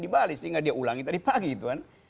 di bali sehingga dia ulangi tadi pagi itu kan